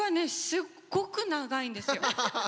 すっごく長いんですよ。